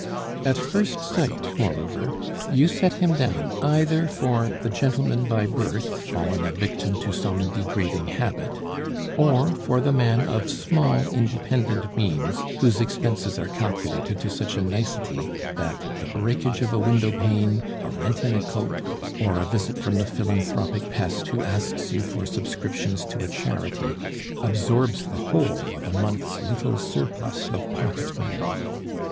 At first sight, moreover, you set him down either for the gentleman by birth fallen a victim to some degrading habit, or for the man of small independent means whose expenses are calculated to such a nicety that the breakage of a windowpane, a rent in a coat, or a visit from the philanthropic pest who asks you for subscriptions to a charity, absorbs the whole of a month's little surplus of pocket money.